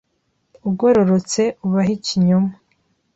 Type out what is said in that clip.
Ugororotse ubahe ikinyoma.